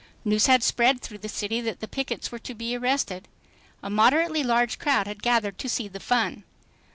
News had spread through the city that the pickets were to be arrested. A moderately large crowd had gathered to see the "fun."